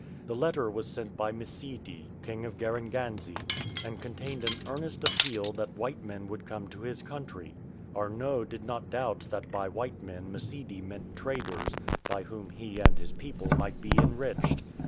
The letter was sent by Msidi, king of Garenganze, and contained an earnest appeal that white men would come to his country. Ai not did not doubt that by white men Msidi meant traders, by whom he and his people might be enriched.